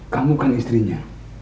kamu kan istrinya